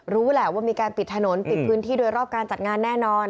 รู้แหละว่ามีการปิดถนนปิดพื้นที่โดยรอบการจัดงานแน่นอน